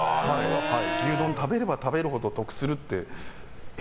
牛丼を食べれば食べるほど得するってえ？